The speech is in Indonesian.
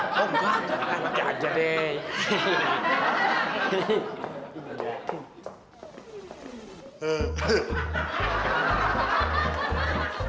lagi aja deh